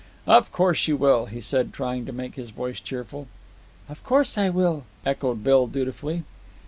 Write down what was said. "Of course you will," he said, trying to make his voice cheerful. "Of course I will," echoed Bill dutifully.